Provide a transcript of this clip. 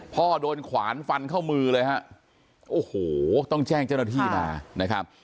พ่อโดนขวานฟันเข้ามือเลยฮะโอ้โหต้องแจ้งเจ้าหน้าที่มานะครับ